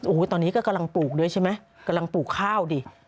โอ้โหตอนนี้ก็กำลังปลูกด้วยใช่ไหมกำลังปลูกข้าวดิ